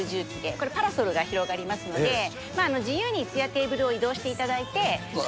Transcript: これ、パラソルが広がりますので、自由にいすやテーブルを移動していただいて。